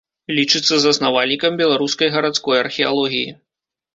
Лічыцца заснавальнікам беларускай гарадской археалогіі.